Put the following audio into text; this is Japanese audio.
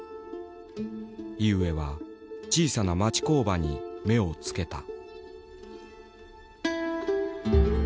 井植は小さな町工場に目をつけた。